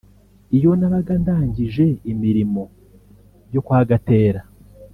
iyo nabaga ndangije imirimo yo kwa Gatera